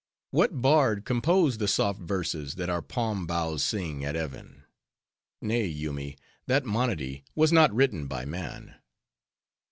What bard composed the soft verses that our palm boughs sing at even? Nay, Yoomy, that monody was not written by man."